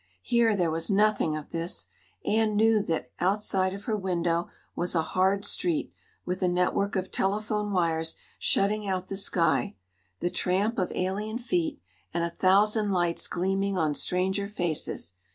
Here there was nothing of this; Anne knew that outside of her window was a hard street, with a network of telephone wires shutting out the sky, the tramp of alien feet, and a thousand lights gleaming on stranger faces.